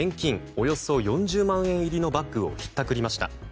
およそ４０万円入りのバッグをひったくりました。